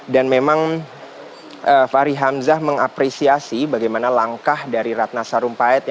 dan memang fahri hamzah mengapresiasi bagaimana langkah dari ratna sarompait